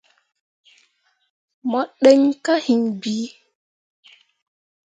Mo ɗǝn kah hiŋ bii.